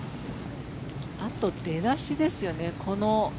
あと、出だしですよね。